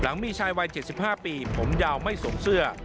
มีชายวัย๗๕ปีผมยาวไม่สวมเสื้อ